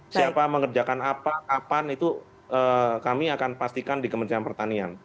siapa mengerjakan apa kapan itu kami akan pastikan di kementerian pertanian